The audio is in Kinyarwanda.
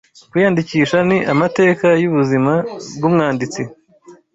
Kwiyandikisha ni amateka yubuzima bwumwanditsi